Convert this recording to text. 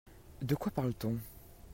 De quoi parle-t-on ?